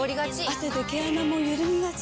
汗で毛穴もゆるみがち。